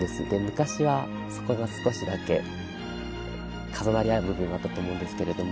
昔はそこが少しだけ重なり合う部分があったと思うんですけれども。